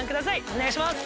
お願いします。